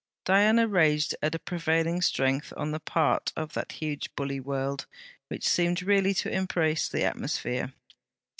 Diana raged at a prevailing strength on the part of that huge bully world, which seemed really to embrace the atmosphere.